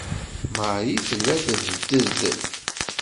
Marie tella tebded.